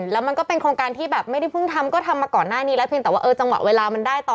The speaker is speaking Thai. แล้วมันก็เป็นโฆษณ์ที่แบบไม่ได้เพิ่งทำก็ทำมาก่อนหน้านี้แหละ